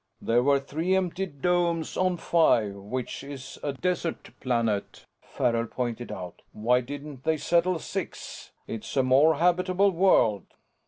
"There were three empty domes on Five, which is a desert planet," Farrell pointed out. "Why didn't they settle Six? It's a more habitable world."